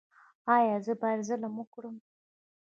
ایا زه باید ظلم وکړم؟